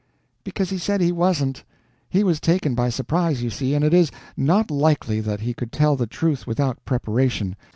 "Because he said he wasn't. He was taken by surprise, you see, and it is not likely that he could tell the truth without preparation.